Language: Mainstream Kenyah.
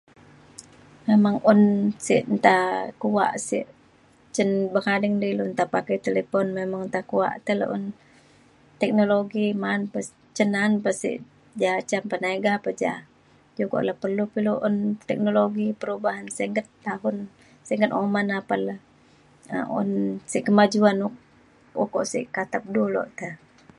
Memang un sek enta kuak sek, cin bekading di ilu enta pakai telepon memang enta kuak tei ilu. Teknologi ma'an pa ca. Cen na'an pe sik da. Penega pa ca. Kuak perlu pe ilu po'on perubahan sin'get tau ngen oman apan lou. Ta on kemajuan sik ilu katap ulok te